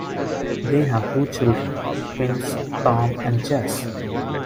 They have two children, twins Tom and Jess.